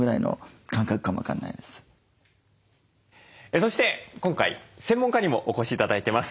そして今回専門家にもお越し頂いてます。